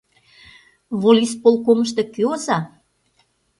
— Волисполкомышто кӧ оза?